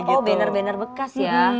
oh banner banner bekas ya